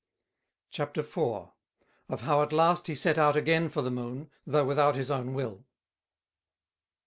CHAPTER IV. _Of how at last he set out again for the Moon, tho without his own Will.